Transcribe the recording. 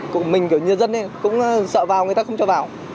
cụ mình kiểu như dân ấy cũng sợ vào người ta không cho vào